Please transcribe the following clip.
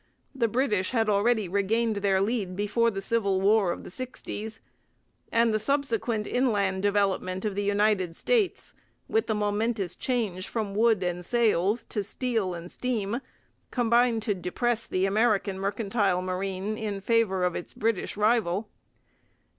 The British had already regained their lead before the Civil War of the sixties; and the subsequent inland development of the United States, with the momentous change from wood and sails to steel and steam, combined to depress the American mercantile marine in favour of its British rival.